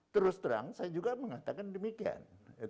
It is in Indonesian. terus terang saya juga mengatakan demikian